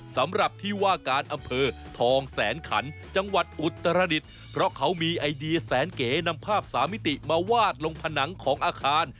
สำหรับที่ว่าการอำเภอทองแสนขันจังหวัดอุตรดิษฐ์เพราะเขามีไอเดียแสนเก๋นำภาพสามิติมาวาดลงผนังของอาคาร